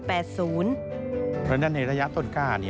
เพราะฉะนั้นในระยะต้นกล้า